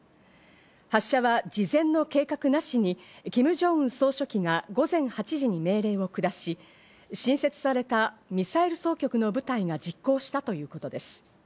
発射は事前の計画なしに、キム・ジョンウン総書記が午前８時に命令を下し、新設されたミサイル総局の部隊が実行したということです。